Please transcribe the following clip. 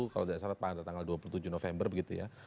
kalau tidak salah pada tanggal dua puluh tujuh november begitu ya